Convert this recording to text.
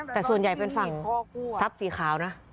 แต่ส่วนใหญ่เป็นฝั่งทรัพย์สีขาวนะ